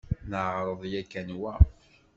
Neɛṛeḍ yakkan wa.